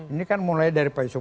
ini kan mulai dari pak yusuf